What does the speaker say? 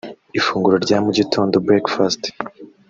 ifunguro rya mu gitondo (Breakfast)